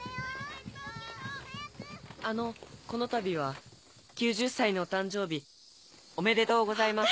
・あのこのたびは９０歳のお誕生日おめでとうございます。